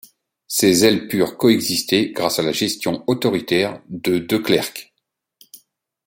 Ces ailes purent coexister grâce à la gestion autoritaire de de Clercq.